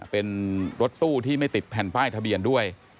เป็นรถตู้ที่ไม่ติดแผ่นป้ายทะเบียนด้วย